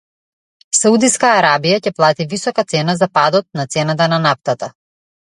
Саудиска Арабија ќе плати висока цена за падот на цената на нафтата